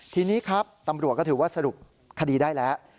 ทีนี้ครับตำรวจก็ถือว่าสรุปคดีได้แล้ว